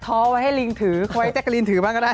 ้อไว้ให้ลิงถือไว้แจ๊กกะลีนถือบ้างก็ได้